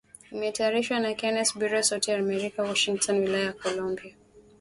Imetayarishwa na Kennes Bwire, Sauti ya Amerika, Washington Wilaya ya Columbia .